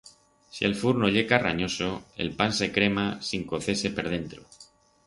Si el furno ye carranyoso, el pan se crema sin cocer-se per dentro.